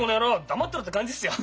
黙ってろ！」って感じですよ。